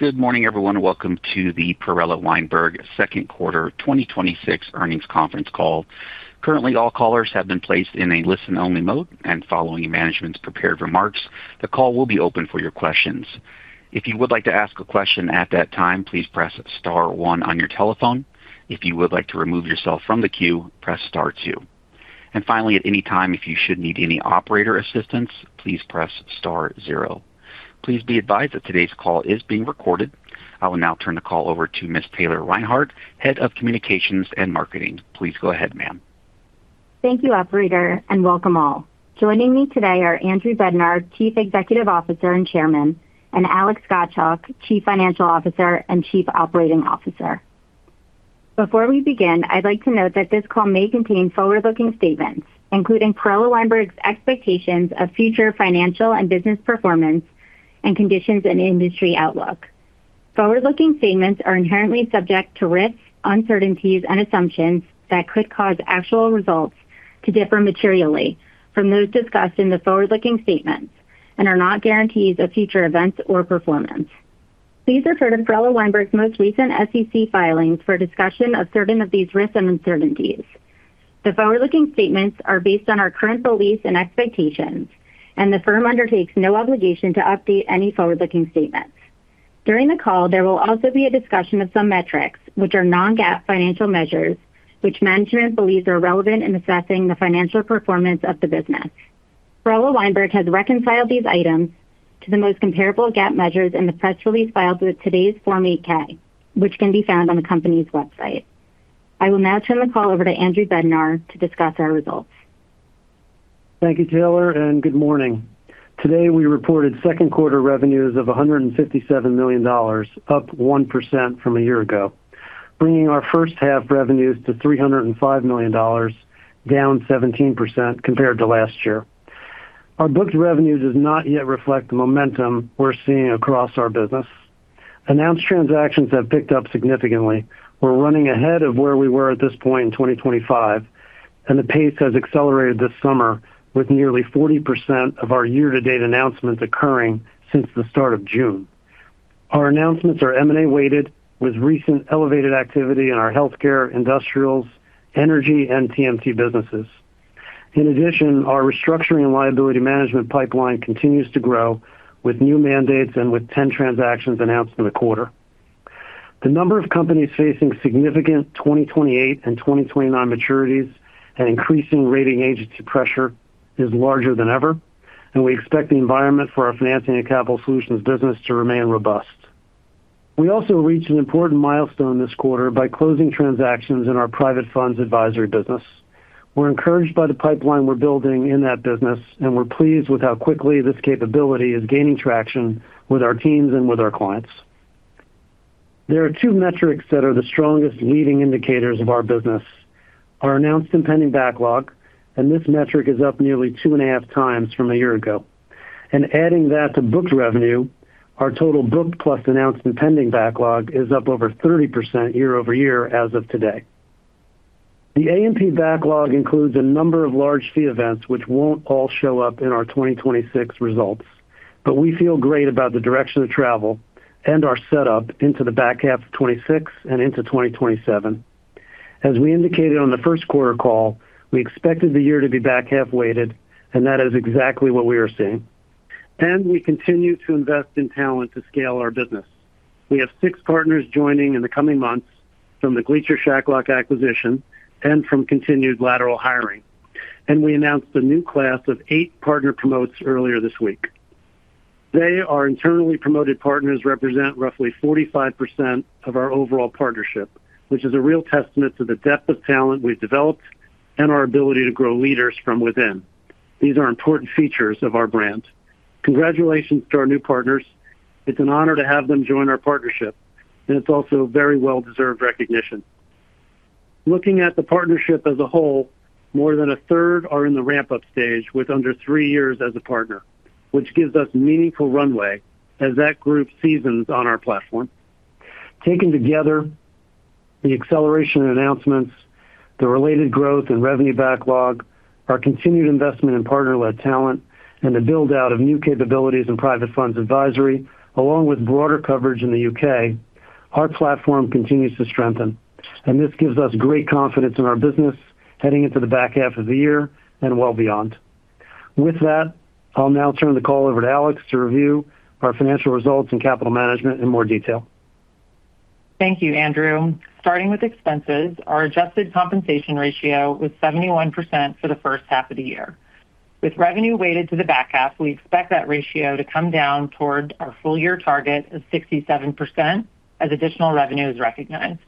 Good morning, everyone, and welcome to the Perella Weinberg Q2 2026 earnings conference call. Currently, all callers have been placed in a listen-only mode, and following management's prepared remarks, the call will be open for your questions. If you would like to ask a question at that time, please press star one on your telephone. If you would like to remove yourself from the queue, press star two. Finally, at any time, if you should need any operator assistance, please press star zero. Please be advised that today's call is being recorded. I will now turn the call over to Ms. Taylor Reinhardt, Head of Communications and Marketing. Please go ahead, ma'am. Thank you, operator, and welcome all. Joining me today are Andrew Bednar, Chief Executive Officer and Chairman, and Alex Gottschalk, Chief Financial Officer and Chief Operating Officer. Before we begin, I'd like to note that this call may contain forward-looking statements, including Perella Weinberg's expectations of future financial and business performance and conditions and industry outlook. Forward-looking statements are inherently subject to risks, uncertainties, and assumptions that could cause actual results to differ materially from those discussed in the forward-looking statements and are not guarantees of future events or performance. Please refer to Perella Weinberg's most recent SEC filings for a discussion of certain of these risks and uncertainties. The forward-looking statements are based on our current beliefs and expectations. The firm undertakes no obligation to update any forward-looking statements. During the call, there will also be a discussion of some metrics, which are non-GAAP financial measures, which management believes are relevant in assessing the financial performance of the business. Perella Weinberg has reconciled these items to the most comparable GAAP measures in the press release filed with today's Form 8-K, which can be found on the company's website. I will now turn the call over to Andrew Bednar to discuss our results. Thank you, Taylor, and good morning. Today we reported Q2 revenues of $157 million, up 1% from a year ago, bringing our H1 revenues to $305 million, down 17% compared to last year. Our booked revenue does not yet reflect the momentum we're seeing across our business. Announced transactions have picked up significantly. We're running ahead of where we were at this point in 2025. The pace has accelerated this summer with nearly 40% of our year-to-date announcements occurring since the start of June. Our announcements are M&A weighted with recent elevated activity in our healthcare, industrials, energy, and TMT businesses. In addition, our restructuring and liability management pipeline continues to grow with new mandates and with 10 transactions announced in the quarter. The number of companies facing significant 2028 and 2029 maturities and increasing rating agency pressure is larger than ever, and we expect the environment for our financing and capital solutions business to remain robust. We also reached an important milestone this quarter by closing transactions in our private funds advisory business. We're encouraged by the pipeline we're building in that business, and we're pleased with how quickly this capability is gaining traction with our teams and with our clients. There are two metrics that are the strongest leading indicators of our business, our announced and pending backlog, and this metric is up nearly 2.5x From a year ago. Adding that to booked revenue, our total booked plus announced and pending backlog is up over 30% year-over-year as of today. The A&P backlog includes a number of large fee events which won't all show up in our 2026 results, but we feel great about the direction of travel and our setup into the back half of 2026 and into 2027. As we indicated on the Q1 call, we expected the year to be back half weighted, and that is exactly what we are seeing, and we continue to invest in talent to scale our business. We have six partners joining in the coming months from the Gleacher Shacklock acquisition and from continued lateral hiring, and we announced a new class of eight partner promotes earlier this week. They, our internally promoted partners, represent roughly 45% of our overall partnership, which is a real testament to the depth of talent we've developed and our ability to grow leaders from within. These are important features of our brand. Congratulations to our new partners. It's an honor to have them join our partnership, and it's also very well-deserved recognition. Looking at the partnership as a whole, more than a third are in the ramp-up stage with under three years as a partner, which gives us meaningful runway as that group seasons on our platform. Taken together, the acceleration in announcements, the related growth in revenue backlog, our continued investment in partner-led talent, and the build-out of new capabilities in private funds advisory, along with broader coverage in the U.K., our platform continues to strengthen, and this gives us great confidence in our business heading into the back half of the year and well beyond. With that, I'll now turn the call over to Alex to review our financial results and capital management in more detail. Thank you, Andrew. Starting with expenses, our adjusted compensation ratio was 71% for the H1 of the year. With revenue weighted to the back half, we expect that ratio to come down toward our full-year target of 67% as additional revenue is recognized.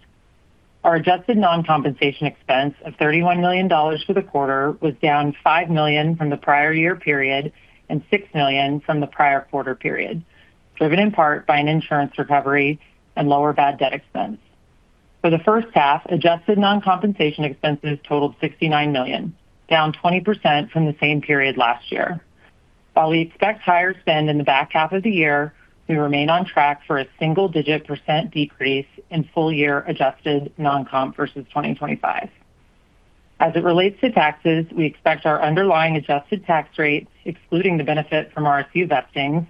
Our adjusted non-compensation expense of $31 million for the quarter was down $5 million from the prior year period and $6 million from the prior quarter period, driven in part by an insurance recovery and lower bad debt expense. For the H1, adjusted non-compensation expenses totaled $69 million, down 20% from the same period last year. While we expect higher spend in the back half of the year, we remain on track for a single-digit % decrease in full-year adjusted non-comp versus 2025. As it relates to taxes, we expect our underlying adjusted tax rate, excluding the benefit from our RSU vestings,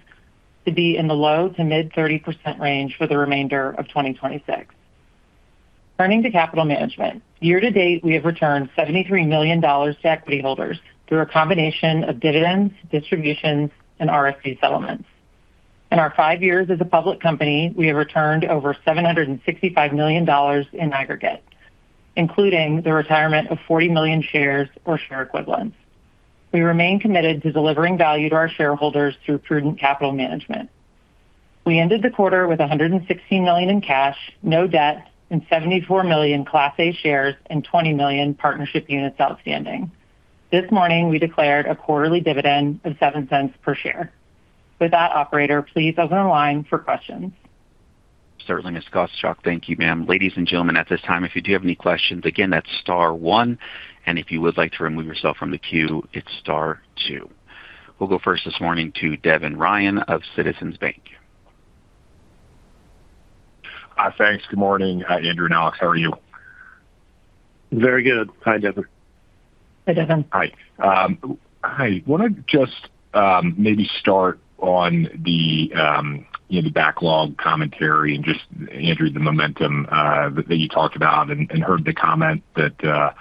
to be in the low to mid 30% range for the remainder of 2026. Turning to capital management. Year-to-date, we have returned $73 million to equity holders through a combination of dividends, distributions, and RSU settlements. In our five years as a public company, we have returned over $765 million in aggregate, including the retirement of 40 million shares or share equivalents. We remain committed to delivering value to our shareholders through prudent capital management. We ended the quarter with $116 million in cash, no debt, and 74 million class A shares and 20 million partnership units outstanding. This morning, we declared a quarterly dividend of $0.07 per share. With that, operator, please open the line for questions. Certainly, Ms. Gottschalk. Thank you, ma'am. Ladies and gentlemen, at this time, if you do have any questions, again, that's star one, and if you would like to remove yourself from the queue, it's star two. We'll go first this morning to Devin Ryan of Citizens JMP. Thanks. Good morning, Andrew and Alex. How are you? Very good. Hi, Devin. Hi, Devin. Hi. I want to just maybe start on the backlog commentary and just, Andrew, the momentum that you talked about and heard the comment that I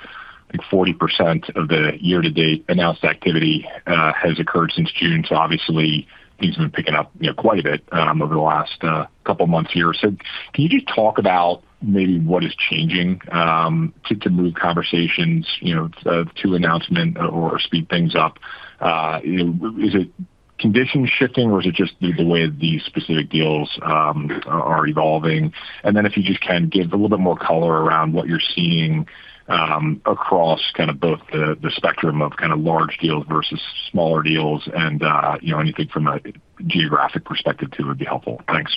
think 40% of the year-to-date announced activity has occurred since June. Obviously things have been picking up quite a bit over the last couple of months here. Can you just talk about maybe what is changing to move conversations to announcement or speed things up? Is it conditions shifting or is it just the way the specific deals are evolving? Then if you just can give a little bit more color around what you're seeing across both the spectrum of large deals versus smaller deals and anything from a geographic perspective too would be helpful. Thanks.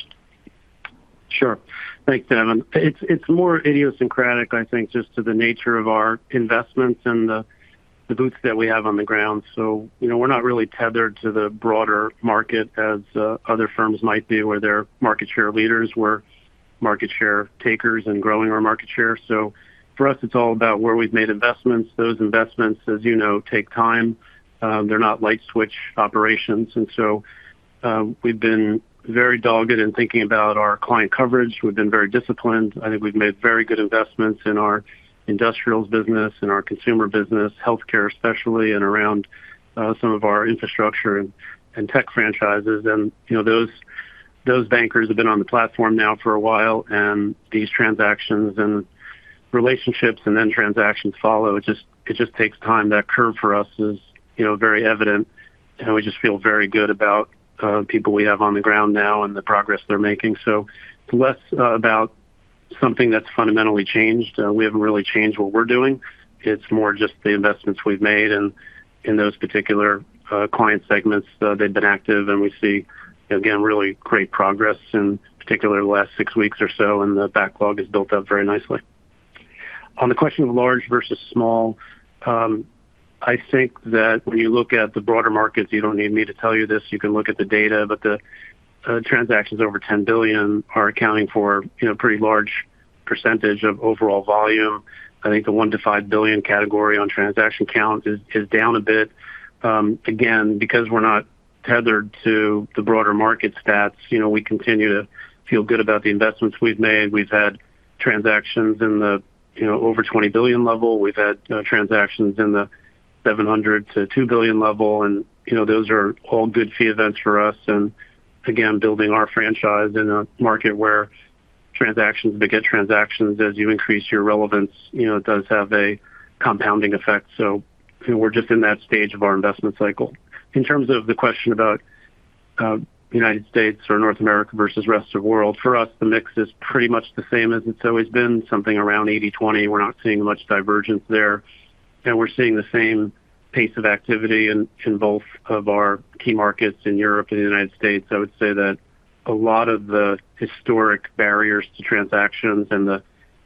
Sure. Thanks, Devin. It's more idiosyncratic, I think, just to the nature of our investments and the boots that we have on the ground. We're not really tethered to the broader market as other firms might be where they're market share leaders. We're market share takers and growing our market share. For us, it's all about where we've made investments. Those investments, as you know, take time. They're not light switch operations. We've been very dogged in thinking about our client coverage. We've been very disciplined. I think we've made very good investments in our industrials business and our consumer business, healthcare especially, and around some of our infrastructure and tech franchises. Those bankers have been on the platform now for a while, and these transactions and relationships and then transactions follow. It just takes time. That curve for us is very evident, and we just feel very good about people we have on the ground now and the progress they're making. It's less about something that's fundamentally changed. We haven't really changed what we're doing. It's more just the investments we've made, and in those particular client segments, they've been active, and we see, again, really great progress in particular the last six weeks or so, and the backlog has built up very nicely. On the question of large versus small, I think that when you look at the broader markets, you don't need me to tell you this. You can look at the data, but the transactions over $10 billion are accounting for a pretty large percentage of overall volume. I think the $1 billion-$5 billion category on transaction count is down a bit. Again, because we're not tethered to the broader market stats, we continue to feel good about the investments we've made. We've had transactions in the over $20 billion level. We've had transactions in the $700-$2 billion level, and those are all good fee events for us. Again, building our franchise in a market where transactions beget transactions as you increase your relevance, it does have a compounding effect. We're just in that stage of our investment cycle. In terms of the question about U.S. or North America versus rest of world, for us, the mix is pretty much the same as it's always been, something around 80/20. We're not seeing much divergence there. We're seeing the same pace of activity in both of our key markets in Europe and the U.S. I would say that a lot of the historic barriers to transactions and the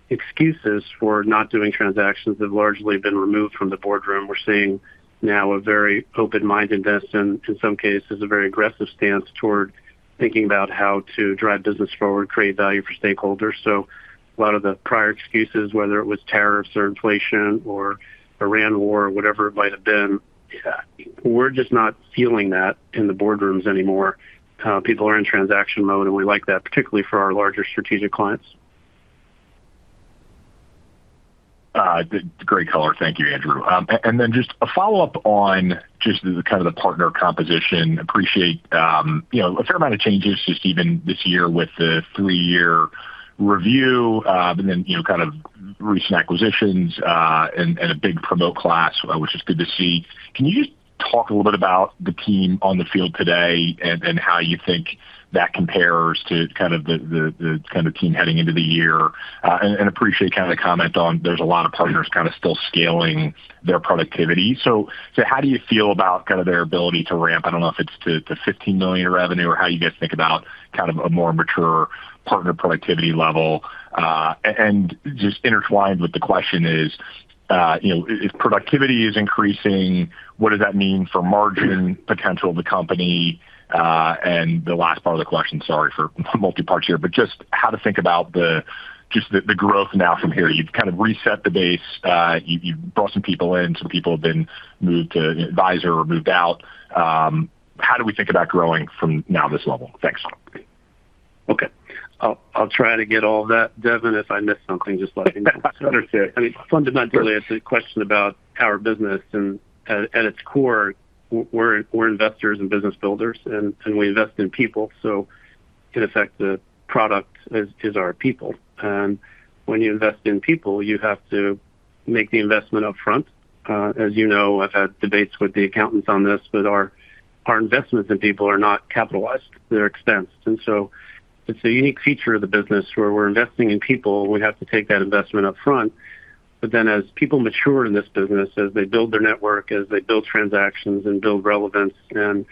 excuses for not doing transactions have largely been removed from the boardroom. We're seeing now a very open-mindedness and in some cases, a very aggressive stance toward thinking about how to drive business forward, create value for stakeholders. A lot of the prior excuses, whether it was tariffs or inflation or Ukraine War or whatever it might have been, we're just not feeling that in the boardrooms anymore. People are in transaction mode, and we like that, particularly for our larger strategic clients. Great color. Thank you, Andrew. Just a follow-up on the partner composition. Appreciate a fair amount of changes just even this year with the three-year review, then recent acquisitions, and a big promote class, which is good to see. Can you just talk a little bit about the team on the field today and how you think that compares to the team heading into the year? Appreciate the comment on there's a lot of partners still scaling their productivity. How do you feel about their ability to ramp? I don't know if it's to $15 million revenue or how you guys think about a more mature partner productivity level. Just intertwined with the question is if productivity is increasing, what does that mean for margin potential of the company? The last part of the question, sorry for multi-parts here, how to think about the growth now from here. You've kind of reset the base. You've brought some people in, some people have been moved to advisor or moved out. How do we think about growing from now this level? Thanks. Okay. I'll try to get all of that, Devin. If I miss something, just let me know. I understand. I mean. Sure. It's a question about our business and at its core, we're investors and business builders, and we invest in people, so in effect, the product is our people. When you invest in people, you have to make the investment up front. As you know, I've had debates with the accountants on this, but our investments in people are not capitalized, they're expensed. It's a unique feature of the business where we're investing in people and we have to take that investment up front. As people mature in this business, as they build their network, as they build transactions and build relevance and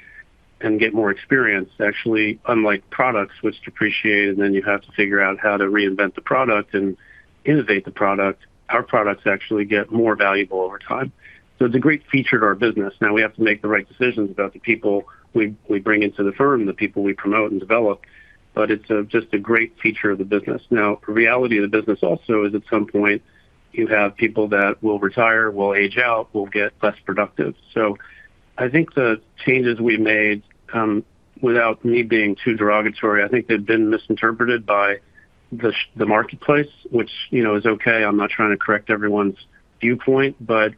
get more experience, actually, unlike products which depreciate and then you have to figure out how to reinvent the product and innovate the product, our products actually get more valuable over time. It's a great feature to our business. We have to make the right decisions about the people we bring into the firm, the people we promote and develop, but it's just a great feature of the business. The reality of the business also is at some point you have people that will retire, will age out, will get less productive. I think the changes we've made, without me being too derogatory, I think they've been misinterpreted by the marketplace, which is okay. I'm not trying to correct everyone's viewpoint, but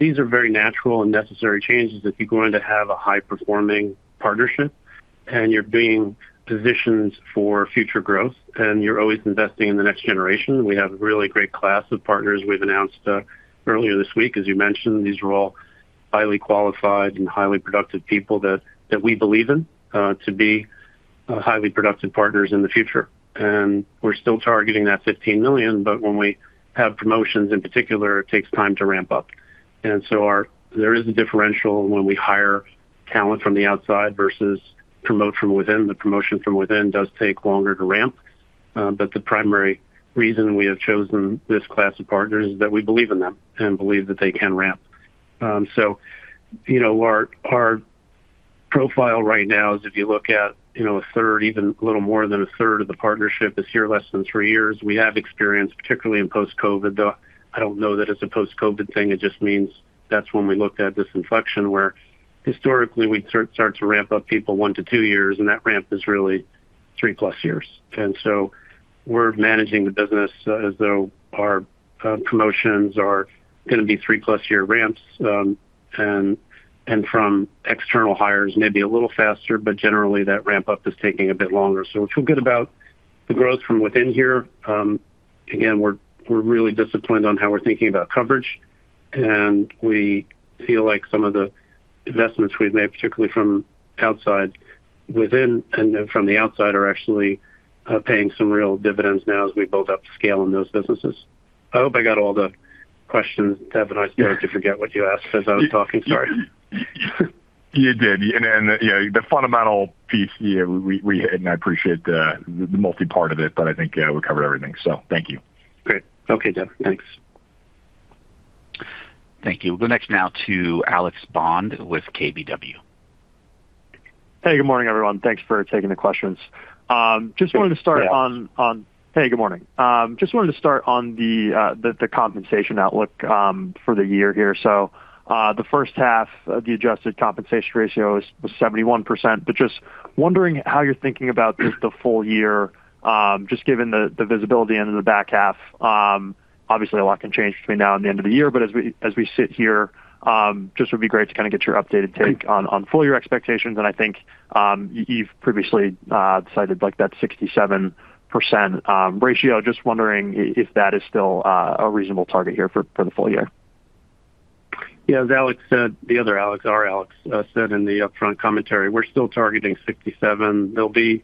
these are very natural and necessary changes if you're going to have a high-performing partnership, and you're being positioned for future growth, and you're always investing in the next generation. We have a really great class of partners we've announced earlier this week. As you mentioned, these are all highly qualified and highly productive people that we believe in to be highly productive partners in the future. We're still targeting that $15 million, but when we have promotions in particular, it takes time to ramp up. There is a differential when we hire talent from the outside versus promote from within. The promotion from within does take longer to ramp. The primary reason we have chosen this class of partners is that we believe in them and believe that they can ramp. Our profile right now is if you look at a third, even a little more than a third of the partnership is here less than three years. We have experience, particularly in post-COVID, though I don't know that it's a post-COVID thing. It just means that's when we looked at this inflection, where historically we'd start to ramp up people one to two years, and that ramp is really 3+ years. We're managing the business as though our promotions are going to be 3+ year ramps. From external hires may be a little faster, but generally that ramp-up is taking a bit longer. We feel good about the growth from within here. Again, we're really disciplined on how we're thinking about coverage, and we feel like some of the investments we've made, particularly from the outside are actually paying some real dividends now as we build up scale in those businesses. I hope I got all the questions, Devin. I started to forget what you asked as I was talking. Sorry. You did. The fundamental piece here, and I appreciate the multi part of it, but I think we covered everything. Thank you. Great. Okay, Devin. Thanks. Thank you. We'll go next now to Alex Bond with KBW. Hey, good morning, everyone. Thanks for taking the questions. Hey, good morning. Just wanted to start on the compensation outlook for the year here. The H1 of the adjusted compensation ratio was 71%, but just wondering how you're thinking about just the full year, just given the visibility into the back half. Obviously, a lot can change between now and the end of the year, but as we sit here, just would be great to kind of get your updated take on full year expectations, and I think you've previously cited that 67% ratio. Just wondering if that is still a reasonable target here for the full year. Yeah, as Alex said, the other Alex, our Alex said in the upfront commentary, we're still targeting 67%. There'll be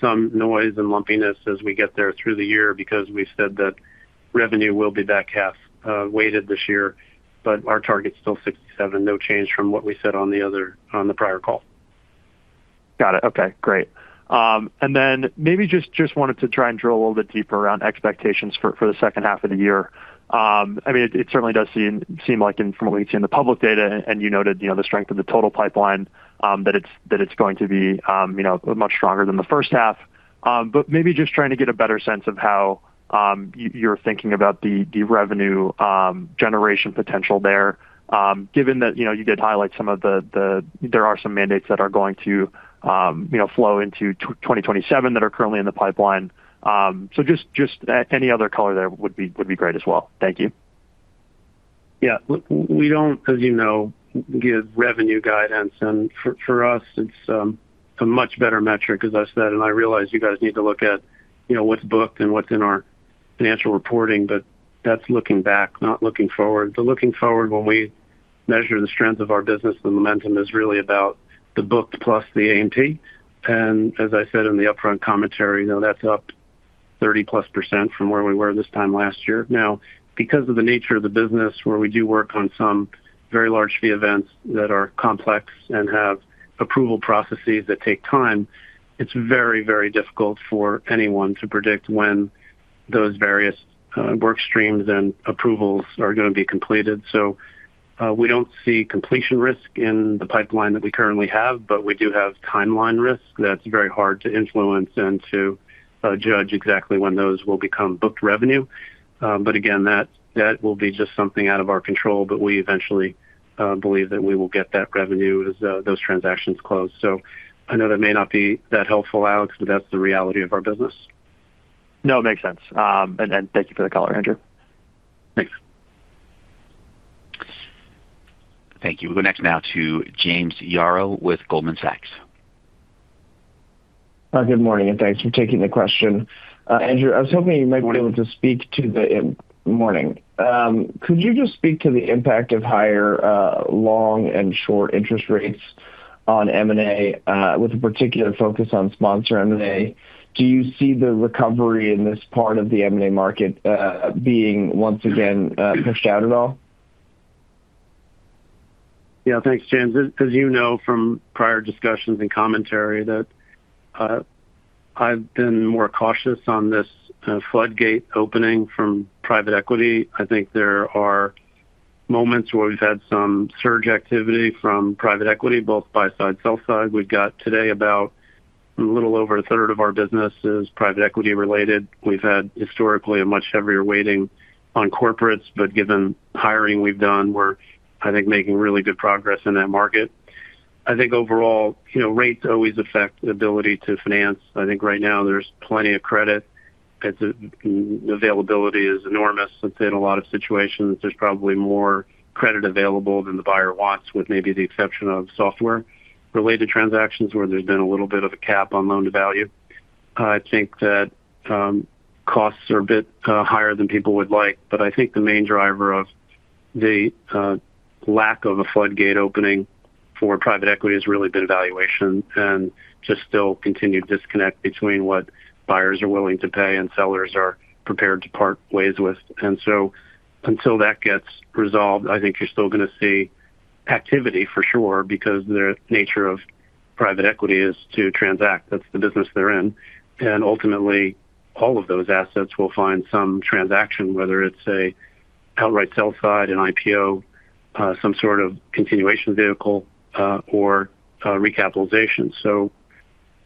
some noise and lumpiness as we get there through the year because we said that revenue will be back half weighted this year, but our target's still 67%. No change from what we said on the prior call. Got it. Okay, great. Then maybe just wanted to try and drill a little bit deeper around expectations for the H2 of the year. I mean, it certainly does seem like from what we see in the public data and you noted the strength of the total pipeline, that it's going to be much stronger than the H1. But maybe just trying to get a better sense of how you're thinking about the revenue generation potential there. Given that you did highlight there are some mandates that are going to flow into 2027 that are currently in the pipeline. Just any other color there would be great as well. Thank you. Yeah. We don't, as you know, give revenue guidance and for us it's a much better metric, as I said, and I realize you guys need to look at what's booked and what's in our financial reporting, but that's looking back, not looking forward. Looking forward, when we measure the strength of our business, the momentum is really about the booked plus the A&P. As I said in the upfront commentary, that's up 30+% from where we were this time last year. Now, because of the nature of the business, where we do work on some very large fee events that are complex and have approval processes that take time, it's very difficult for anyone to predict when those various work streams and approvals are going to be completed. We don't see completion risk in the pipeline that we currently have, we do have timeline risk that's very hard to influence and to judge exactly when those will become booked revenue. Again, that will be just something out of our control. We eventually believe that we will get that revenue as those transactions close. I know that may not be that helpful, Alex, but that's the reality of our business. No, it makes sense. Thank you for the color, Andrew. Thanks. Thank you. We'll go next now to James Yaro with Goldman Sachs. Good morning, thanks for taking the question. Andrew, I was hoping you might be able to speak to the impact of higher long and short interest rates on M&A, with a particular focus on sponsor M&A? Do you see the recovery in this part of the M&A market being once again pushed out at all? Yeah. Thanks, James. As you know from prior discussions and commentary that I've been more cautious on this floodgate opening from private equity. There are moments where we've had some surge activity from private equity, both buy-side, sell-side. We've got today about a little over a third of our business is private equity-related. We've had historically a much heavier weighting on corporates, but given hiring we've done, we're making really good progress in that market. Overall, rates always affect the ability to finance. Right now there's plenty of credit. Its availability is enormous. It's in a lot of situations. There's probably more credit available than the buyer wants, with maybe the exception of software-related transactions where there's been a little bit of a cap on loan-to-value. Costs are a bit higher than people would like, but the main driver of the lack of a floodgate opening for private equity has really been valuation and just still continued disconnect between what buyers are willing to pay and sellers are prepared to part ways with. Until that gets resolved, you're still going to see activity for sure, because the nature of private equity is to transact. That's the business they're in. Ultimately, all of those assets will find some transaction, whether it's a outright sell side, an IPO, some sort of continuation vehicle, or recapitalization.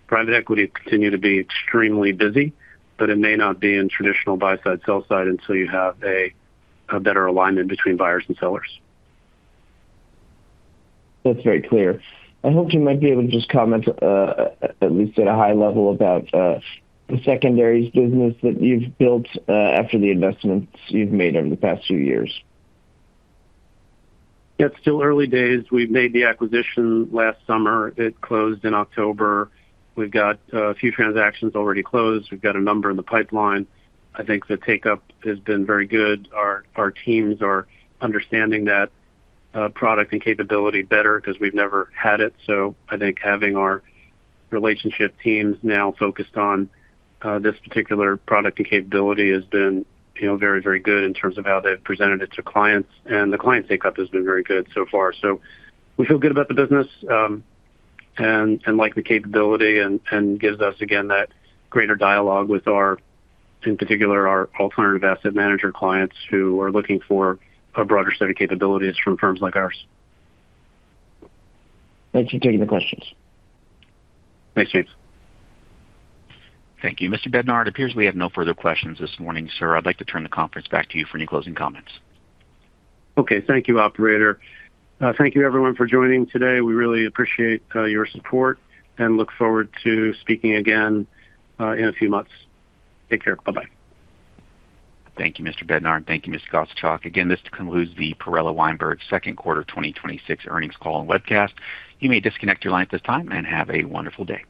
Private equity continue to be extremely busy, but it may not be in traditional buy-side, sell-side until you have a better alignment between buyers and sellers. That's very clear. I hope you might be able to just comment, at least at a high level about the secondaries business that you've built after the investments you've made over the past few years. Yeah, it's still early days. We made the acquisition last summer. It closed in October. We've got a few transactions already closed. We've got a number in the pipeline. The take-up has been very good. Our teams are understanding that product and capability better because we've never had it. Having our relationship teams now focused on this particular product and capability has been very good in terms of how they've presented it to clients. The client take-up has been very good so far. We feel good about the business, and like the capability and gives us again, that greater dialogue with our, in particular, our alternative asset manager clients who are looking for a broader set of capabilities from firms like ours. Thanks for taking the questions. Thanks, James. Thank you. Mr. Bednar, it appears we have no further questions this morning, sir. I'd like to turn the conference back to you for any closing comments. Okay. Thank you, operator. Thank you everyone for joining today. We really appreciate your support and look forward to speaking again in a few months. Take care. Bye-bye. Thank you, Mr. Bednar, and thank you, Mr. Gottschalk. This concludes the Perella Weinberg Q2 2026 earnings call and webcast. You may disconnect your line at this time and have a wonderful day.